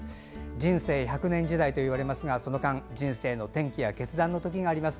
人生１００年時代といわれますがその間、人生の転機や決断のときがあります。